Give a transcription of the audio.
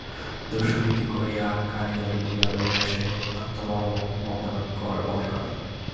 দস্যুবৃত্তি করিয়া কাড়িয়া লুটিয়া লওয়া সে আত্মাবমাননা মনে করে।